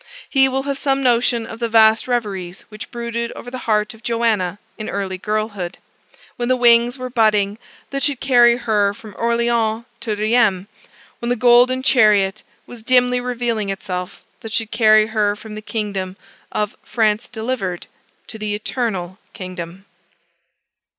he will have some notion of the vast reveries which brooded over the heart of Joanna in early girlhood, when the wings were budding that should carry her from Orleans to Rheims; when the golden chariot was dimly revealing itself that should carry her from the kingdom of France Delivered to the eternal kingdom.